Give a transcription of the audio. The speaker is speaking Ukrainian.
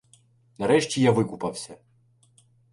Нарешті я викупався.